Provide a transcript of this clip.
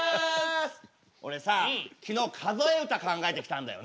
俺さ昨日数え歌考えてきたんだよね。